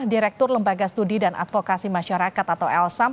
direktur lembaga studi dan advokasi masyarakat atau lsam